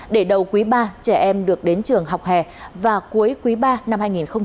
để đầu quý ba trẻ em được đến trường học hè và cuối quý ba năm hai nghìn hai mươi